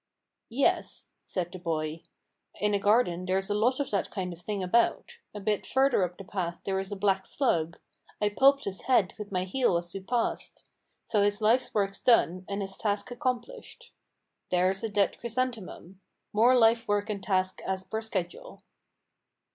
"Yes," said the boy, "in a garden there's a lot of that kind of thing about. A bit further up the path there is a black slug. I pulped his head with my heel as we passed. So his life's work's done and his task accomplished. There's a dead chrysanthemum. More life work and task as per schedule."